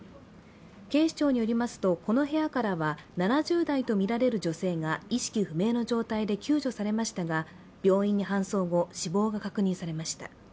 警視庁によりますとこの部屋からは７０代とみられる女性が意識不明の状態で救助されましたが病院に搬送後死亡が確認されました。